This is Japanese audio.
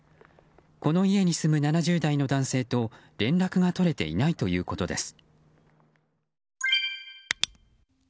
この家に住む７０代の男性と連絡が取れていないということです。